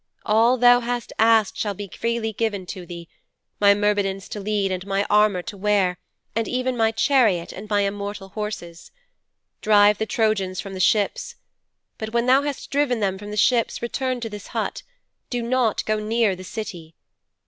All thou hast asked shall be freely given to thee my Myrmidons to lead and my armour to wear, and even my chariot and my immortal horses. Drive the Trojans from the ships. But when thou hast driven them from the ships, return to this hut. Do not go near the City.